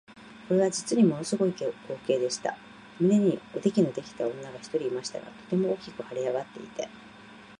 これは実にもの凄い光景でした。胸におできのできた女が一人いましたが、とても大きく脹れ上っていて、